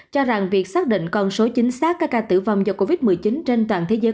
cho rằng việc xác định con số chính xác các ca tử vong do covid một mươi chín trên toàn thế giới